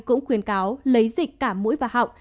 cũng khuyến cáo lấy dịch cả mũi và họng